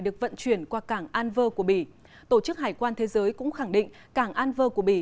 được vận chuyển qua cảng an vơ của bỉ